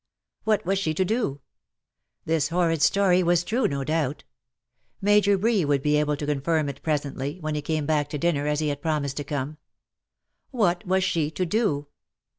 What was she to do ? This horrid story was true, no doubt. Major Bree would be able to confirm it presently, when he came back to dinner, as he had promised to come. What was she to do